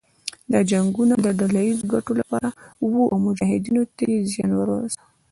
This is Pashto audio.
دا جنګونه د ډله ييزو ګټو لپاره وو او مجاهدینو ته يې زیان ورساوه.